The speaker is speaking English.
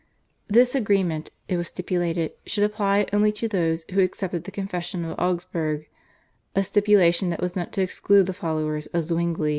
This agreement, it was stipulated, should apply only to those who accepted the Confession of Augsburg, a stipulation that was meant to exclude the followers of Zwingli.